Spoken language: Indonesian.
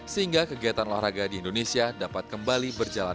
sehingga kegiatan olahraga di indonesia dapat kembali berjalan